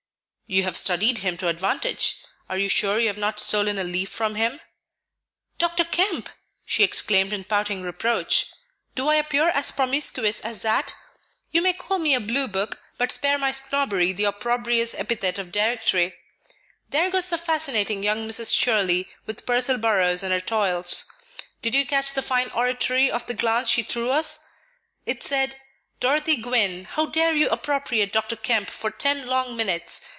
"You have studied him to advantage. Are you sure you have not stolen a leaf from him?" "Dr. Kemp!" she exclaimed in pouting reproach, "do I appear as promiscuous as that? You may call me a 'blue book,' but spare my snobbery the opprobrious epithet of 'directory.' There goes the fascinating young Mrs. Shurly with Purcell Burroughs in her toils. Did you catch the fine oratory of the glance she threw us? It said, 'Dorothy Gwynne, how dare you appropriate Dr. Kemp for ten long minutes?